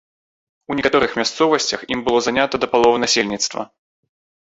У некаторых мясцовасцях ім было занята да паловы насельніцтва.